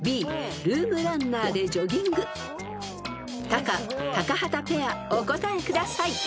［タカ高畑ペアお答えください］